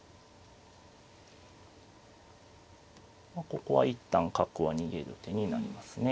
ここは一旦角を逃げる手になりますね。